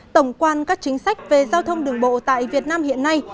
tổng quan các chính sách về giao thông đường bộ tại việt nam hiện nay